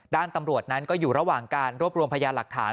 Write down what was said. ตำรวจนั้นก็อยู่ระหว่างการรวบรวมพยานหลักฐาน